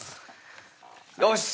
よし！